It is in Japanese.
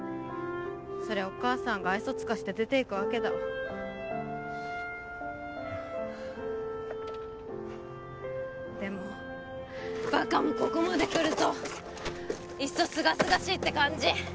そりゃお母さんが愛想尽かして出ていくわけだでもバカもここまでくるといっそすがすがしいって感じ